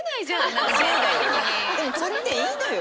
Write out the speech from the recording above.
でもそれでいいのよ。